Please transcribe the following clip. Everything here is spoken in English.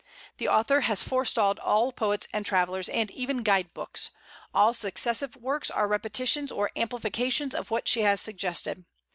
The author has forestalled all poets and travellers, and even guidebooks; all successive works are repetitions or amplifications of what she has suggested.